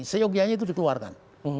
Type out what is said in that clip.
seyogianya itu dikeluarkan